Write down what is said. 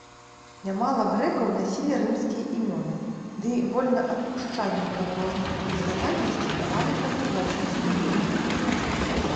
Нямала грэкаў насілі рымскія імёны, дый вольнаадпушчанікам розных нацыянальнасцей давалі тады лацінскія імёны.